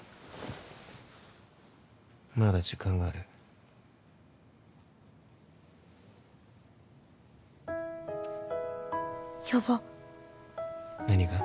まだ時間があるヤバッ何が？